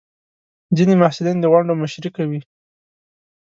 ځینې محصلین د غونډو مشري کوي.